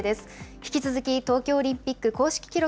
引き続き東京オリンピック公式記録